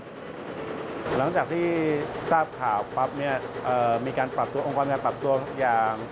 หลังจากที่ทราบข่าวปั๊บเนี่ยมีการปรับตัวองค์กรการปรับตัวทุกอย่าง